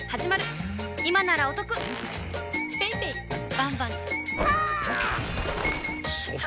バンバン！わー！